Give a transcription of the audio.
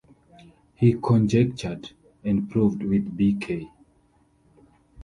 He conjectured, and proved with B.-K.